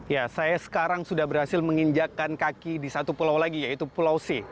ya saya sekarang sudah berhasil menginjakan kaki di satu pulau lagi yaitu pulau c